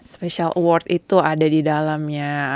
special award itu ada di dalamnya